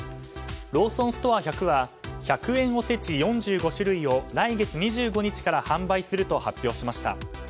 ローソンストア１００は１００円おせち４５種類を来月２５日から販売すると発表しました。